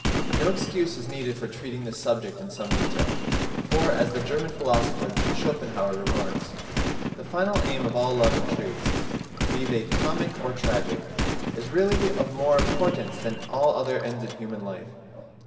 No excuse is needed for treating this subject in some detail; for, as the German philosopher Schopenhauer remarks, "the final aim of all love intrigues, be they comic or tragic, is really of more importance than all other ends in human life.